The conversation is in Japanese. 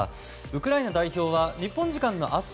ウクライナ代表は日本時間の明日